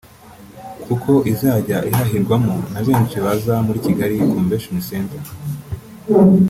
kuko izajya ihahirwamo na benshi baza muri Kigali Convention Centre